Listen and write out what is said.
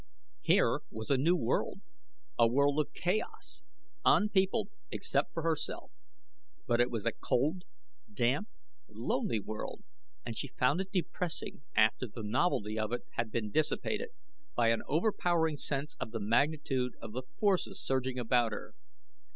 Here was a new world, a world of chaos unpeopled except for herself; but it was a cold, damp, lonely world and she found it depressing after the novelty of it had been dissipated, by an overpowering sense of the magnitude of the forces surging about her.